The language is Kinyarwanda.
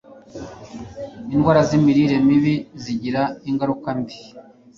indwara z'imirire mibi zigira ingaruka mbi